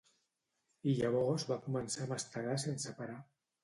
I llavors va començar a mastegar sense parar.